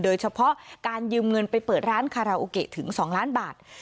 โดยเฉพาะการยืมเงินไปเปิดร้านคาราโอเกะถึง๒ล้านบาท